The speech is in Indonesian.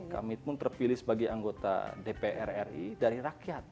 kami pun terpilih sebagai anggota dpr ri dari rakyat